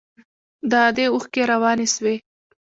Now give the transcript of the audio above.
د ادې اوښکې روانې سوې.